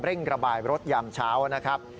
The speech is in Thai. ระบายรถยามเช้านะครับ